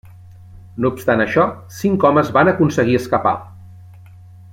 No obstant això, cinc homes van aconseguir escapar.